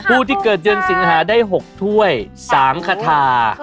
ผู้ที่เกิดเดือนสิงหาได้๖ถ้วย๓คาทา